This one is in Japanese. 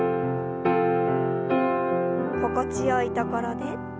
心地よいところで。